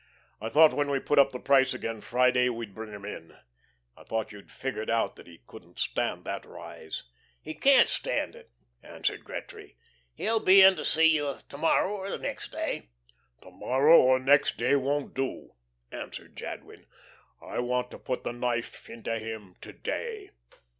I thought when we put up the price again Friday we'd bring him in. I thought you'd figured out that he couldn't stand that rise." "He can't stand it," answered Gretry. "He'll be in to see you to morrow or next day." "To morrow or next day won't do," answered Jadwin. "I want to put the knife into him to day.